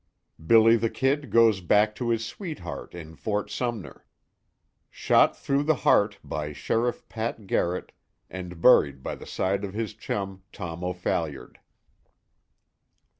"BILLY THE KID" GOES BACK TO HIS SWEETHEART IN FORT SUMNER. SHOT THROUGH THE HEART BY SHERIFF PAT GARRET, AND BURIED BY THE SIDE OF HIS CHUM, TOM O'PHALLIARD.